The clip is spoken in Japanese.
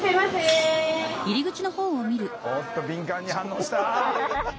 おっと敏感に反応した。